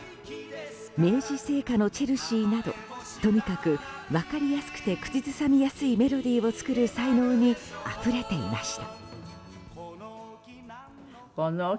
明治製菓のチェルシーなどとにかく分かりやすくて口ずさみやすいメロディーを作る才能にあふれていました。